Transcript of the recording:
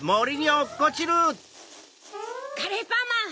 カレーパンマン！